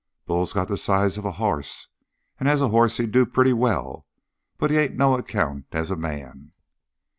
"Bull's got the size of a hoss, and as a hoss he'd do pretty well, but he ain't no account as a man."